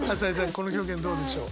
この表現どうでしょう。